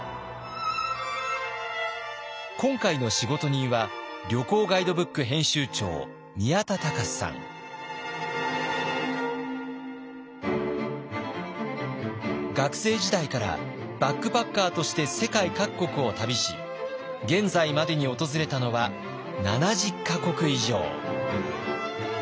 今回の仕事人は学生時代からバックパッカーとして世界各国を旅し現在までに訪れたのは７０か国以上。